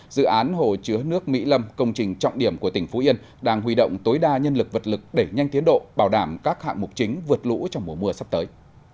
dự án hồ chứa nước mỹ lâm công trình trọng điểm của tỉnh phú yên đang huy động tối đa nhân lực vật lực để nhanh tiến độ bảo đảm các hạng mục chính vượt lũ trong mùa mưa sắp tới